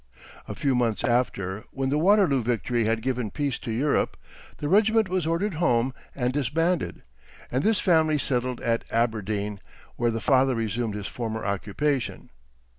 A few months after, when the Waterloo victory had given peace to Europe, the regiment was ordered home and disbanded, and this family settled at Aberdeen, where the father resumed his former occupation.